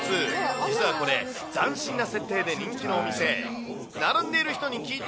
実はこれ、斬新な設定で人気のお店。